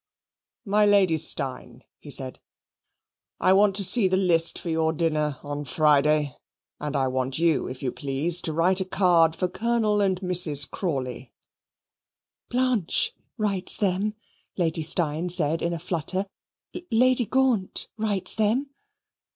"My Lady Steyne," he said, "I want to see the list for your dinner on Friday; and I want you, if you please, to write a card for Colonel and Mrs. Crawley." "Blanche writes them," Lady Steyne said in a flutter. "Lady Gaunt writes them."